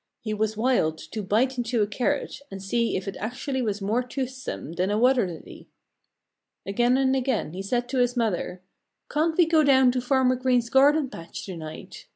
He was wild to bite into a carrot and see if it actually was more toothsome than a water lily. Again and again he said to his mother, "Can't we go down to Farmer Green's garden patch to night?